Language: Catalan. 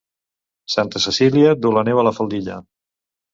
Santa Cecília duu la neu a la faldilla.